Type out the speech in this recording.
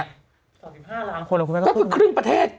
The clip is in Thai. ๒๕ล้านคนครึ่งประเทศ